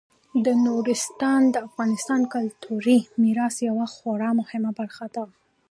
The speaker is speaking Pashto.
نورستان د افغانستان د کلتوري میراث یوه خورا مهمه برخه ده.